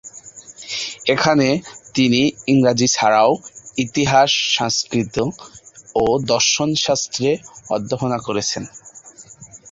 এখানে তিনি ইংরাজী ছাড়াও ইতিহাস, সংস্কৃত ও দর্শনশাস্ত্রে অধ্যাপনা করেছেন।